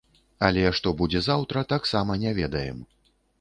Але, што будзе заўтра, таксама не ведаем.